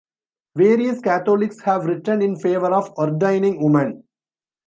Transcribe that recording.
Various Catholics have written in favor of ordaining women.